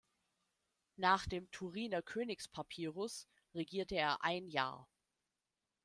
Nach dem Turiner Königspapyrus regierte er ein Jahr.